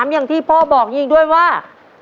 อย่างที่พ่อบอกยิงด้วยว่า